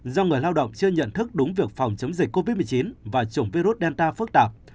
do người lao động chưa nhận thức đúng việc phòng chống dịch covid một mươi chín và chủng virus delta phức tạp